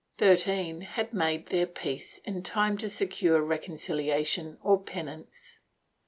Thirteen had made their peace in time to secure reconciliation or penance.